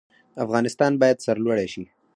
افغانستان باید سرلوړی شي